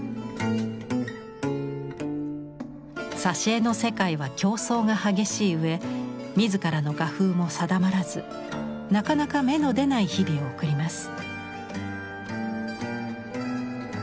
挿絵の世界は競争が激しいうえ自らの画風も定まらずなかなか芽の出ない日々を送ります。